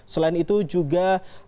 selain itu juga